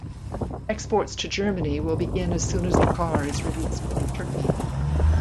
Exports to Germany will begin as soon as the car is released in Turkey.